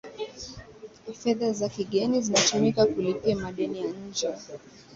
fedha za kigeni zinatumika kulipia madeni ya nje